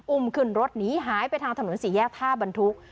อุ้มขึ้นรถหนีหายไปทางถนนสี่แยกท่าบรรทุก